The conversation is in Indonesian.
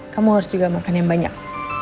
kamu harus juga makan yang banyak